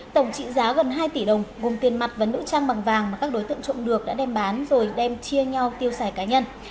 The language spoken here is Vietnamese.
tổng trị giá gần hai tỷ đồng gồm tiền mặt và nữ trang bằng vàng mà các đối tượng trộm được đã đem bán rồi đem chia nhau tiêu xài cá nhân